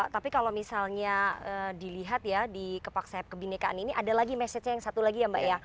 tapi kalau misalnya dilihat ya di kepaksap kebinekaan ini ada lagi message nya yang satu lagi ya mbak ya